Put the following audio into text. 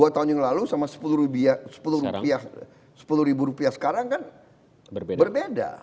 dua tahun yang lalu sama sepuluh ribu rupiah sekarang kan berbeda